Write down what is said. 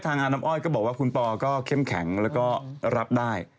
ทางอารมณ์อ้อยก็บอกว่าคุณปอล์ก็เค็มแข็งและรับได้